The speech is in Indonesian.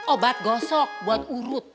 obat gosok buat urut